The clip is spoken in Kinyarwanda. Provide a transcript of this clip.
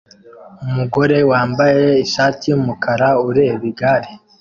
umugore wambaye ishati yumukara ureba igare